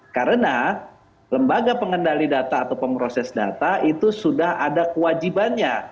karena lembaga pengendali data atau pemroses data itu sudah ada kewajibannya